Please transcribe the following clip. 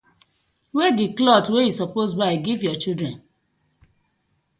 Wey di clothe wey yu suppose buy giv yah children?